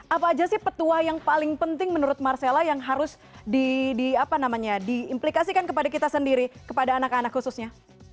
apa aja sih petua yang paling penting menurut marcella yang harus di apa namanya di implikasikan kepada kita sendiri kepada anak anak khususnya